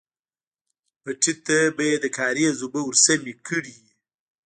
پټي ته به يې د کاريز اوبه ورسمې کړې وې.